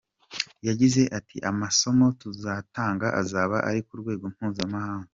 Yagize ati “Amasomo tuzatanga azaba ari ku rwego mpuzamahanga.